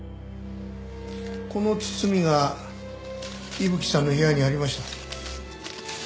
この包みが伊吹さんの部屋にありました。